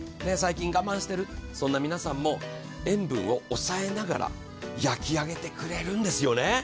最近我慢してる、そんな皆さんも塩分を抑えながら焼き上げてくれるんですよね。